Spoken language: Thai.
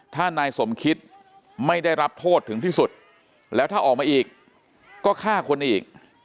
ถ้านายสมคิตไม่ได้รับโทษถึงที่สุดแล้วถ้าออกมาอีกก็ฆ่าคนอีก